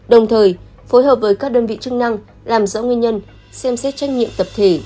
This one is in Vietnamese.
đồng thời phối hợp với các đơn vị chức năng làm rõ nguyên nhân xem xét trách nhiệm tập thể